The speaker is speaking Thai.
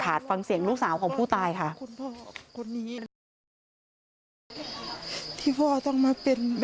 ฟังเสียงลูกสาวของผู้ตายค่ะ